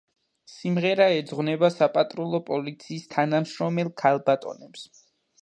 სიმღერა ეძღვნება საპატრულო პოლიციის თანამშრომელ ქალბატონებს.